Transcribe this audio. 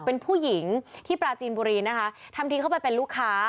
เป็นผู้หญิงที่ปราจีนบุรีนะคะทำทีเข้าไปเป็นลูกค้า